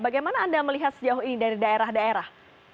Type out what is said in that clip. bagaimana anda melihat sejauh ini dari daerah daerah